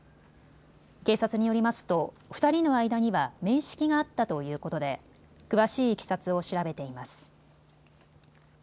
警察によりますと２人の間には面識があったということで詳しいいきさつを調べています。